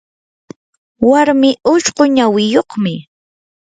warmii ushqu nawiyuqmi.